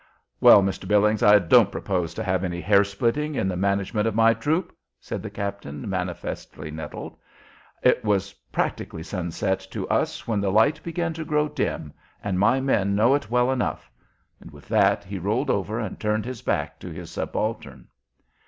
"Well, Mr. Billings, I don't propose to have any hair splitting in the management of my troop," said the captain, manifestly nettled. "It was practically sunset to us when the light began to grow dim, and my men know it well enough." And with that he rolled over and turned his back to his subaltern.